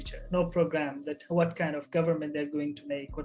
tidak memiliki program apa jenis pemerintahan yang akan mereka lakukan